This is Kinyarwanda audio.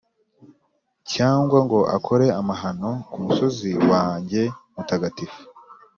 cyangwa ngo akore amahano ku musozi wanjye mutagatifu,